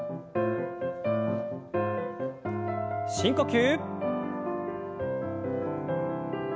深呼吸。